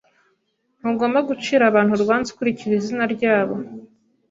Ntugomba gucira abantu urubanza ukurikije izina ryabo.